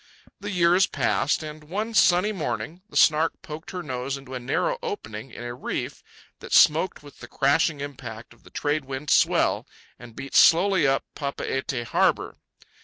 The years passed, and, one sunny morning, the Snark poked her nose into a narrow opening in a reef that smoked with the crashing impact of the trade wind swell, and beat slowly up Papeete harbour.